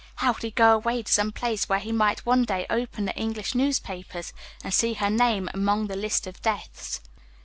How could he go away to some place where he might one day open the English newspapers and see her name among the list of deaths?